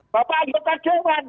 bapak anggota jawa